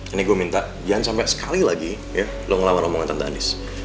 ini gue minta jangan sampai sekali lagi ya lo ngelawan ngomongin tante andis